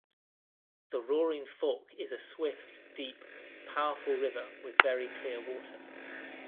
The Roaring Fork is a swift, deep, powerful river with very clear water.